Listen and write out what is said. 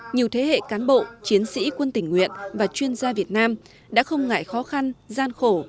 nhiều thế hệ cán bộ chiến sĩ quân tỉnh nguyện và chuyên gia việt nam đã không ngại khó khăn gian khổ